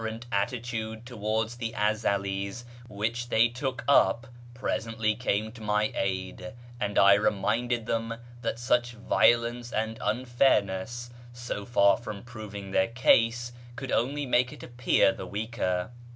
t attitude towards the Ezeli's wliicli tliey to()l< up presently came to my aid, and I reminded tliem tliat such violence and unfairness, so far from proving their case, could only make it appear the weaker.